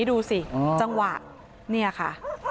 ดูสิจังหวะเนี่ยค่ะ